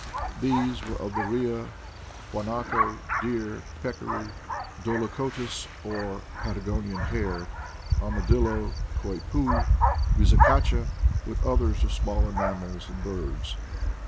These were of the rhea, huanaco, deer, peccary, dolichotis or Patagonian hare, ar madillo, coypu, vizcacha, with others of smaller mammals and birds.